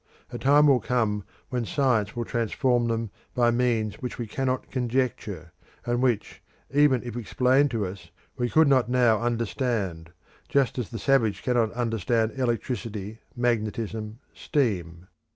A time will come when Science will transform them by means which we cannot conjecture, and which, even if explained to us, we could not now under stand, just as the savage cannot understand electricity, magnetism, steam.